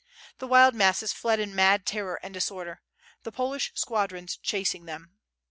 The wild masses fled in mad terror and disorder— rthe Polish squadrr s chasing them.